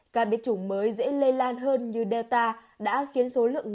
các bệnh chủng mới dễ lây lan hơn như delta đã khiến số lượng người cộng đồng